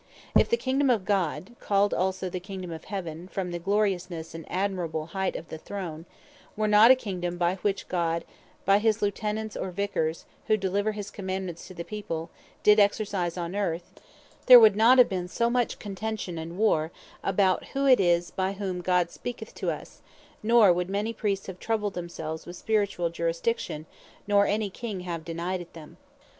If the Kingdome of God (called also the Kingdome of Heaven, from the gloriousnesse, and admirable height of that throne) were not a Kingdome which God by his Lieutenant, or Vicars, who deliver his Commandements to the people, did exercise on Earth; there would not have been so much contention, and warre, about who it is, by whom God speaketh to us; neither would many Priests have troubled themselves with Spirituall Jurisdiction, nor any King have denied it them.